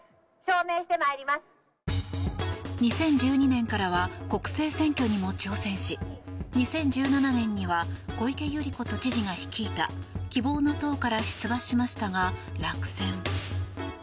２０１２年からは国政選挙にも挑戦し２０１７年には小池百合子都知事が率いた希望の党から出馬しましたが落選。